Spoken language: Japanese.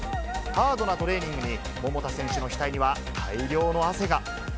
ハードなトレーニングに、桃田選手の額には大量の汗が。